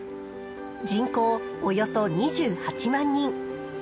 人口およそ２８万人。